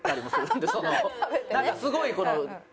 なんかすごいこの。